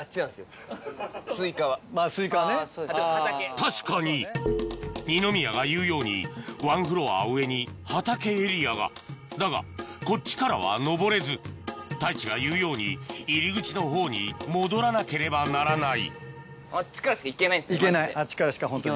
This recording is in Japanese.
確かに二宮が言うようにワンフロア上に畑エリアがだがこっちからは上れず太一が言うように入り口のほうに戻らなければならないあっちからしかホントに。